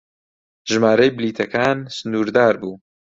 ژمارەی بلیتەکان سنوردار بوو.